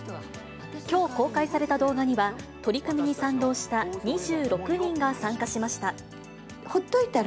きょう公開された動画には、取り組みに賛同した２６人が参加しました。